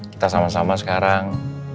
kita sama sama sekarang